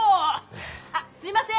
あっすいません！